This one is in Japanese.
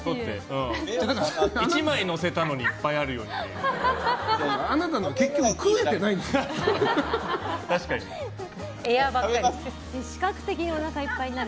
１枚のせたのにいっぱいあるように見える。